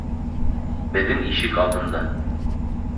Беҙҙең ишек алдында!